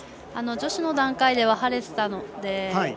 女子の段階では晴れてたので。